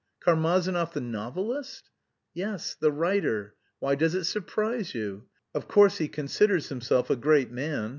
"Karmazinov, the novelist?" "Yes, the writer. Why does it surprise you? Of course he considers himself a great man.